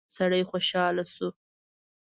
سړی خوشاله شو.